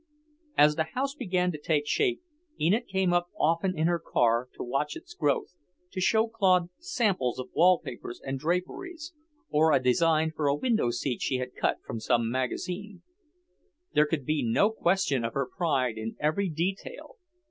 As the house began to take shape, Enid came up often in her car, to watch its growth, to show Claude samples of wallpapers and draperies, or a design for a window seat she had cut from some magazine. There could be no question of her pride in every detail.